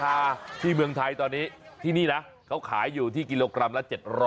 ที่เมืองไทยตอนนี้ที่นี่นะเขาขายอยู่ที่กิโลกรัมละ๗๐๐